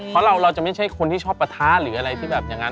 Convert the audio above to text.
เพราะเราจะไม่ใช่คนที่ชอบปะทะหรืออะไรที่แบบอย่างนั้น